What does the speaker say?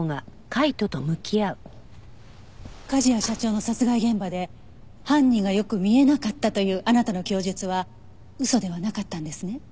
梶谷社長の殺害現場で犯人がよく見えなかったというあなたの供述は嘘ではなかったんですね？